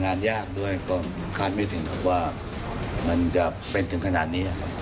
งานยากด้วยก็คาดไม่ถึงครับว่ามันจะเป็นถึงขนาดนี้ครับ